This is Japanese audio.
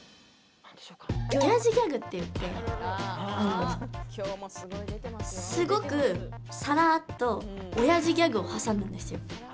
ギョやじギャグっていってすごくさらーっとおやじギャグを挟むんですよ。